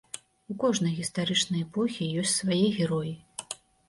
У кожнай гістарычнай эпохі ёсць свае героі.